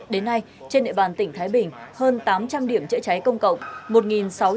đến nay trên địa bàn tỉnh thái bình hơn tám trăm linh điểm chữa cháy công cộng